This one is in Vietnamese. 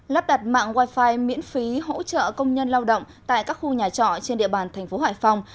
lắp đặt mạng wifi miễn phí hỗ trợ công nhân lao động tại các khu nhà trọ trên địa bàn thành phố hải phòng